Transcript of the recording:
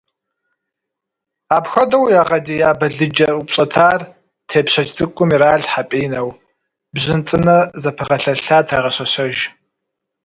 Апхуэдэу ягъэдия балыджэ упщӏэтар тепщэч цӏыкӏум иралъхьэ пӏинэу, бжьын цӏынэ зэпыгъэлъэлъа трагъэщэщэж.